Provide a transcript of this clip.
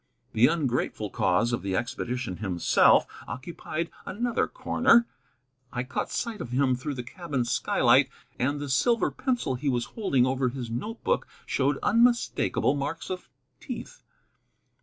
The ungrateful cause of the expedition himself occupied another corner. I caught sight of him through the cabin skylight, and the silver pencil he was holding over his note book showed unmistakable marks of teeth.